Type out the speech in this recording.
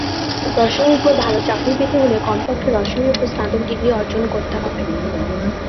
রসায়নের উপর ভালো চাকরি পেতে হলে কমপক্ষে রসায়নের উপর স্নাতক ডিগ্রি অর্জন করতে হবে।